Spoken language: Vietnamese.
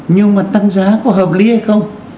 nhưng mà tăng giá có hợp lý hay không